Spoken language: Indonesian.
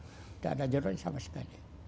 nggak ada jalurnya sama sekali